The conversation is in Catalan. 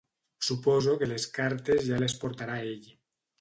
Suposo que les cartes ja les portarà ell.